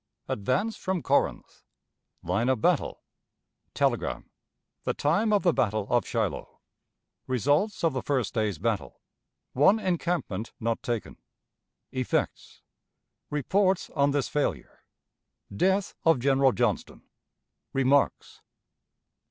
Advance from Corinth. Line of Battle. Telegram. The Time of the Battle of Shiloh. Results of the First Day's Battle. One Encampment not taken. Effects. Reports on this Failure. Death of General Johnston. Remarks.